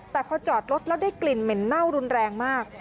แต่พอจอดรถแล้วได้กลิ่นเหม็นเน่ารุนแรงมาก